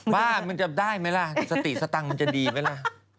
ว่ามันจะได้ไหมล่ะสติสตังค์มันจะดีไหมล่ะ